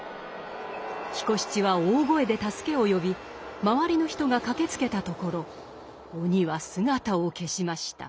彦七は大声で助けを呼び周りの人が駆けつけたところ鬼は姿を消しました。